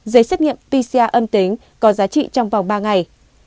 giấy xét nghiệm pcr âm tính có giá trị trong vòng ba ngày